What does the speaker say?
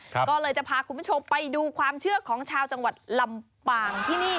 ก็เลยจะพาคุณผู้ชมไปดูความเชื่อของชาวจังหวัดลำปางที่นี่